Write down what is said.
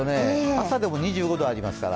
朝でも２５度ありますから。